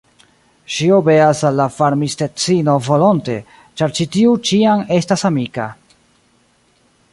Ŝi obeas al la farmistedzino volonte, ĉar ĉi tiu ĉiam estas amika.